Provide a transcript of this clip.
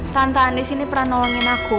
tante anies ini pernah nolongin aku